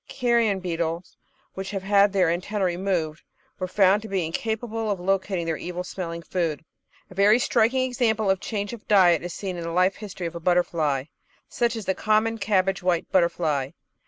Carrion Beetles which had had their antennae removed were found to be incapable of locating their evil smelling food. A very striking example of change of diet is seen in the life history of a butterfly, such as the common Cabbage White Butterfly.